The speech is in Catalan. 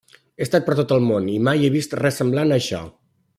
He estat per tot el món, i mai he vist res semblant a això.